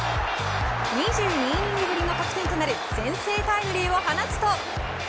２２イニングぶりの得点となる先制タイムリーを放つと。